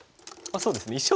まあそうですね